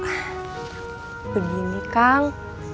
ah begini kang